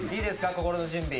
心の準備。